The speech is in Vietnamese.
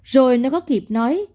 rồi nó có kịp nói